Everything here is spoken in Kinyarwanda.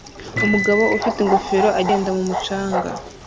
Umugabo ufite ingofero agenda mumucanga